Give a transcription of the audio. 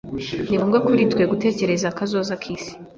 Ni ngombwa kuri twe gutekereza kazoza k'isi.